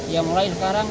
ya mulai sekarang